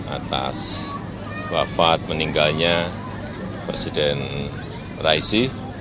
atas wafat meninggalnya presiden raisi